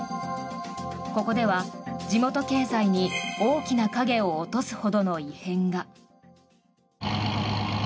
ここでは地元経済に大きな影を落とすほどの異変が。